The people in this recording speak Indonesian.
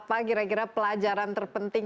pak ryan apa pelajaran terpenting